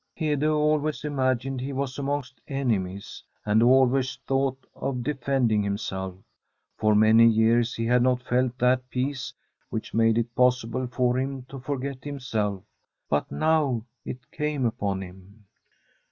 Uede always imagined he was amongst enemies, and always thought of defending him McK, h\n many years he had not felt that peace which niade it possible for him to forget himself. Hut now it came upon him.